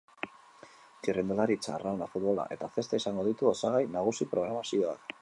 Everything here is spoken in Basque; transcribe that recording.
Txirrindularitza, arrauna, futbola eta zesta izango ditu osagai nagusi programazioak.